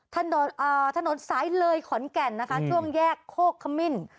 ถนนถนนสายเลยขอนแก่นนะคะช่วงแยกโคกขมิ้น